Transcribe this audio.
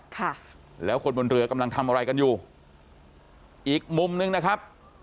ค่ะแล้วคนบนเรือกำลังทำอะไรกันอยู่อีกมุมหนึ่งนะครับ